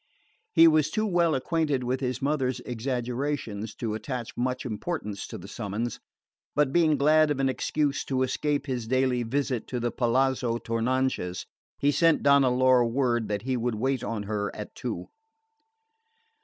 He was too well acquainted with his mother's exaggerations to attach much importance to the summons; but being glad of an excuse to escape his daily visit at the Palazzo Tournanches, he sent Donna Laura word that he would wait on her at two.